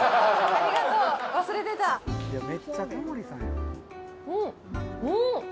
ありがとう忘れてたうんうーん！